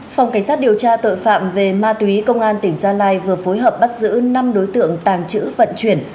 phòng cảnh sát điều tra tội phạm về ma túy công an tỉnh gia lai vừa phối hợp bắt giữ năm đối tượng tàng trữ vận chuyển